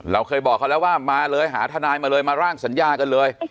เราเคยบอกเขาแล้วว่ามาเลยหาทนายมาเลยมาร่างสัญญากันเลย